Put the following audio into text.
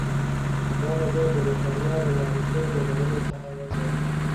دا ډګر د برېتانیا له نامتو ډګرونو څخه یو دی.